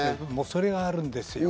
それがあるんですよ。